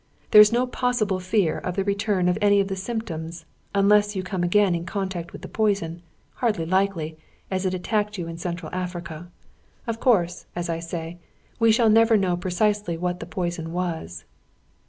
There is no possible fear of the return of any of the symptoms, unless you come again in contact with the poison; hardly likely, as it attacked you in Central Africa. Of course, as I say, we shall never know precisely what the poison was."